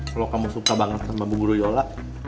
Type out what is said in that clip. kalau kamu suka banget sama bu guru yola